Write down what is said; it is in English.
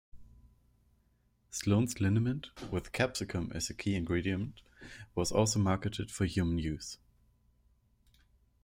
Sloan's liniment, with capsicum as a key ingredient, was also marketed for human use.